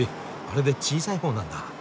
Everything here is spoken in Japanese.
あれで小さい方なんだ。